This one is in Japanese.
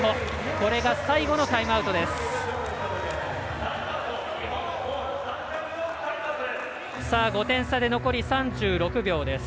これが最後のタイムアウトです。